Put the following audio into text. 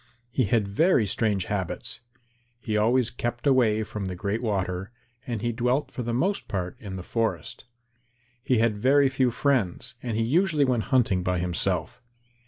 He had very strange habits. He always kept away from the Great Water and he dwelt for the most part in the forest. He had very few friends, and he usually went hunting by himself.